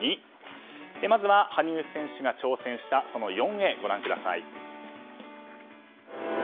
まずは羽生選手が挑戦した４Ａご覧ください。